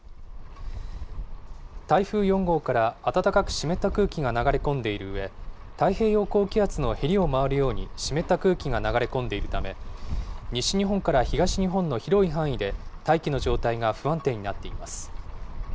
台風４号から、暖かく湿った空気が流れ込んでいるうえ、太平洋高気圧のへりを回るように湿った空気が流れ込んでいるため、西日本から東日本の広い範囲で、大気の状態が不安定になっています。